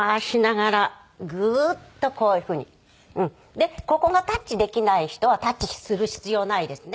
でここがタッチできない人はタッチする必要ないですね。